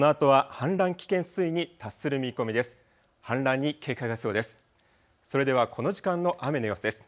氾濫に警戒が必要です。